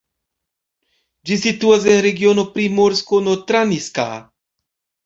Ĝi situas en regiono Primorsko-Notranjska.